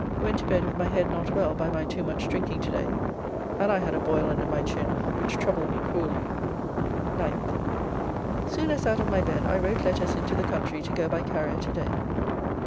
Went to bed with my head not well by my too much drinking to day, and I had a boil under my chin which troubled me cruelly. 9th. Soon as out of my bed I wrote letters into the country to go by carrier to day.